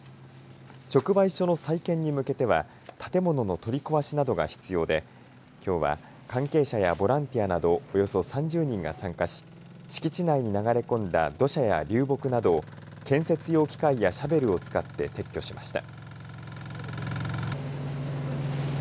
直売所の再建に向けては建物の取り壊しなどが必要できょうは関係者やボランティアなどおよそ３０人が参加し敷地内に流れ込んだ土砂や流木などを建設用機械やシャベルを使って撤去しました。